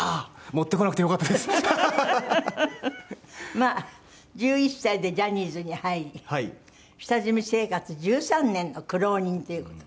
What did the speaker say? まあ１１歳でジャニーズに入り下積み生活１３年の苦労人という事で。